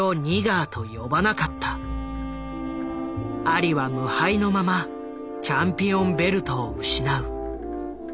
アリは無敗のままチャンピオンベルトを失う。